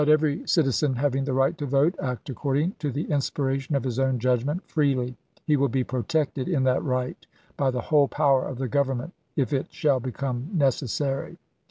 every citizen having the right to vote act accord ing to the inspiration of his own judgment freely. He will be protected in that right by the whole power of the Government if it shall become necessary."